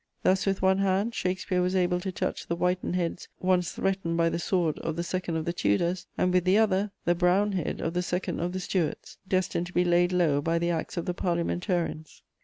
Thus, with one hand, Shakespeare was able to touch the whitened heads once threatened by the sword of the second of the Tudors and, with the other, the brown head of the second of the Stuarts, destined to be laid low by the axe of the Parliamentarians.